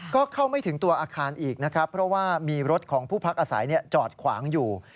ก็เข้าไม่ถึงตัวอาคารอีกนะครับเพราะว่ามีรถของผู้พักอาศัยจอดขวางอยู่